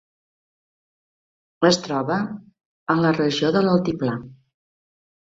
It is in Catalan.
Es troba a la regió de l'altiplà.